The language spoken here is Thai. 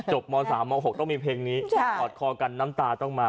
ม๓ม๖ต้องมีเพลงนี้ถอดคอกันน้ำตาต้องมา